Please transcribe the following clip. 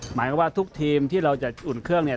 หมายถึงว่าทุกทีมที่เราจะอุ่นเครื่องเนี่ย